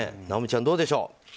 尚美ちゃん、どうでしょう。